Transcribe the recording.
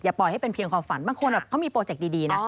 ปล่อยให้เป็นเพียงความฝันบางคนเขามีโปรเจคดีนะ